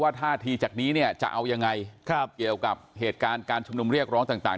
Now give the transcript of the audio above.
ท่าทีจากนี้เนี่ยจะเอายังไงเกี่ยวกับเหตุการณ์การชุมนุมเรียกร้องต่าง